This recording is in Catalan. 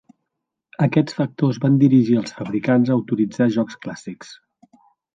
Aquests factors van dirigir els fabricants a autoritzar jocs clàssics.